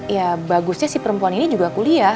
ya bagusnya si perempuan ini juga kuliah